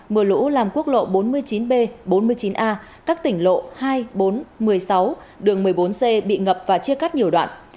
mưa lũ làm quốc lộ bốn mươi chín b bốn mươi chín a các tỉnh lộ hai mươi bốn một mươi sáu đường một mươi bốn c bị ngập và chia cắt nhiều đoạn